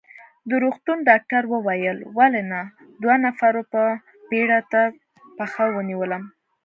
د روغتون ډاکټر وویل: ولې نه، دوو نفرو په بېړه تر پښه ونیولم.